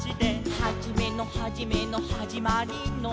「はじめのはじめのはじまりーのー」